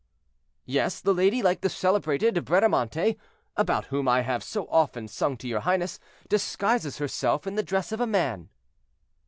"Yes, the lady, like the celebrated Bradamante, about whom I have so often sung to your highness, disguises herself in the dress of a man."